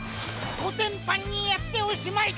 こてんぱんにやっておしまい！